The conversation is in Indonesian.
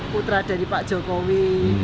putra dari pak jokowi